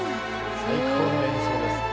最高の演奏ですね。